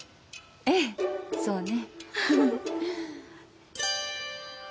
ええそうね。